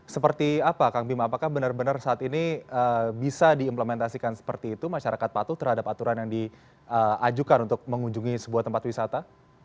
seperti apa kang bima apakah benar benar saat ini bisa diimplementasikan seperti itu masyarakat patuh terhadap aturan yang diajukan untuk mengunjungi sebuah tempat wisata